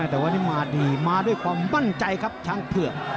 แต่วันนี้มาดีมาด้วยความมั่นใจครับช้างเผือก